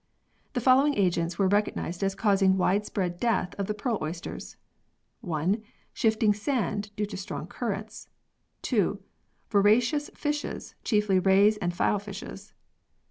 The following agents were recognised as causing widespread death of the pearl oysters : 1. Shifting sand, due to strong currents ; 2. Voracious fishes, chiefly rays and file fishes ; 3.